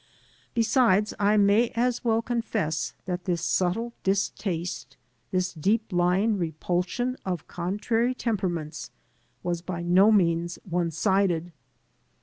Besides, I may as well confess that this subtle distaste — ^this deep lying repulsion of contrary temperaments — ^was by no means one sided.